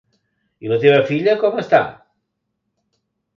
I la teva filla, com està?